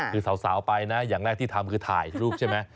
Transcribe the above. คือสาวไปนะอย่างแรกที่ทำคือถ่ายรูปใช่ไหม